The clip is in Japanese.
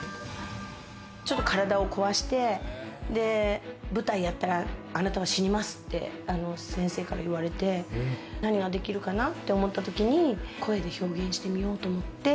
ちょっと体を壊して、舞台やったら、あなたは死にますって先生から言われて何ができるかなって思ったときに、声で表現してみようと思って。